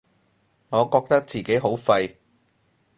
我覺得自己好廢